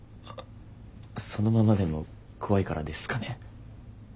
あそのままでも怖いからですかね。